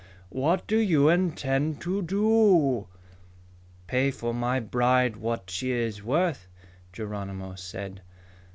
What do you intend to do?" "Pay for my bride what she is worth," Geronimo said.